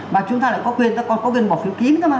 mà chúng ta lại có quyền ta còn có quyền bỏ phiếu kiếm cơ mà